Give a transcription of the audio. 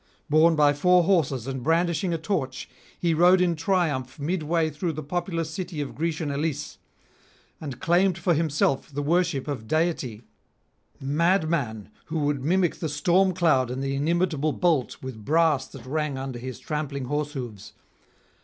Borne by four horses and brandishing a torch, he rode in triumph midway through the populous city of Grecian Elis, and claimed for himself the worship of deity; madman! who would mimic the storm cloud and the inimitable bolt with brass that rang under his trampling horse hoofs.